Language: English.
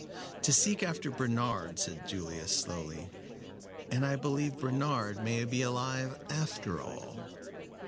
"To seek after Bernard," said Julius, slowly, "and I believe Bernard may be alive after all."